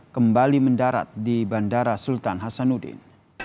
kembali mendarat di bandara sultan hasanuddin